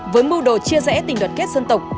với mưu đồ chia rẽ tình đoàn kết dân tộc